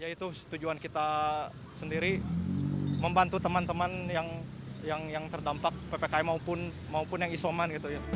ya itu tujuan kita sendiri membantu teman teman yang terdampak ppkm maupun yang isoman